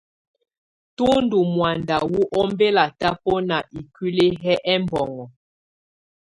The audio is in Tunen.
Tù ndù mɔ̀ánda wù ɔmbɛla tabɔna ikuili yɛ ɛmbɔŋɔ.